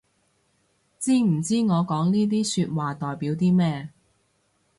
知唔知我講呢啲說話代表啲咩